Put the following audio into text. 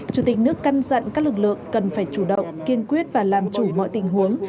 chủ tịch nước căn dặn các lực lượng cần phải chủ động kiên quyết và làm chủ mọi tình huống